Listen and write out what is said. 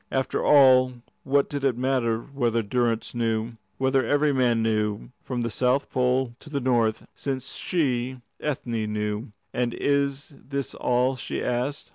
After all, what did it matter whether Durrance knew, whether every man knew, from the South Pole to the North, since she, Ethne, knew? "And is this all?" she asked.